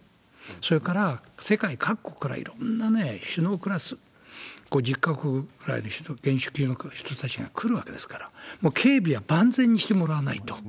それから、世界各国からいろんな首脳クラス、５０か国ぐらいの元首級の人たちが来るわけですから、もう警備は万全にしてもらわないと。